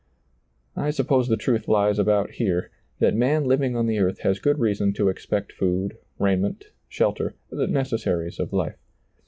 I suppose the truth lies about here : that man living on the earth has good reason to expect food, raiment, shelter, the necessaries of life.